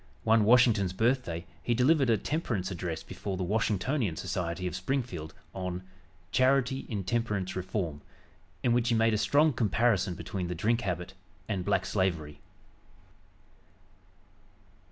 One Washington's birthday he delivered a temperance address before the Washingtonian Society of Springfield, on "Charity in Temperance Reform," in which he made a strong comparison between the drink habit and black slavery.